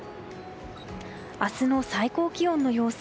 明日の最高気温の様子。